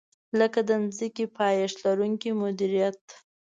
لکه د ځمکې پایښت لرونکې مدیریت.